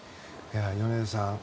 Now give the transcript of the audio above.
米田さん